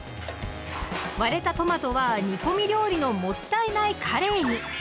割れたトマトは煮込み料理の「もったいないカレー」に！